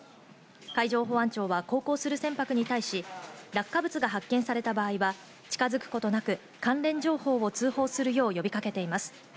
海上保安庁は航行する船舶に対し、落下物が発見された場合は、近づくことなく関連情報を通報するよう呼びかけています。